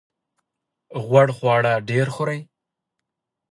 غوړ خواړه ډیر خورئ؟